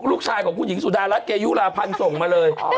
ลูกชายของคุณหญิงสุดารัฐเกยุลาพันธ์ส่งมาเลย